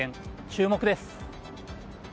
注目です。